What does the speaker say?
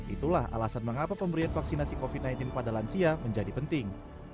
itulah alasan mengapa pemberian vaksinasi covid sembilan belas pada lansia menjadi penting